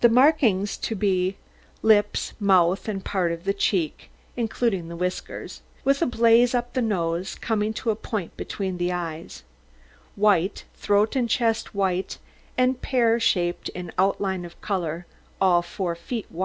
The markings to be: lips, mouth and part of the cheek, including the whiskers, with a blaze up the nose, coming to a point between the eyes, white; throat and chest white, and pear shaped in outline of colour; all four feet white.